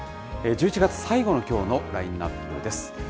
１１月最後のきょうのラインナップです。